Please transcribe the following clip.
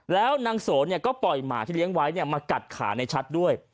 แล้วนางโสก็ปล่อยหมาที่เลี้ยงไว้มากัดขาในชัดด้วย